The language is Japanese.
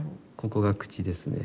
ここが口ですね。